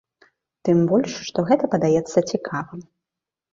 Тым больш што гэта падаецца цікавым.